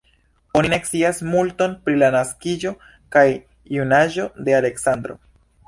Oni ne scias multon pri la naskiĝo kaj junaĝo de Aleksandro.